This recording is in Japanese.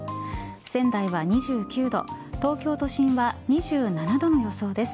仙台は２９度東京都心は２７度の予想です。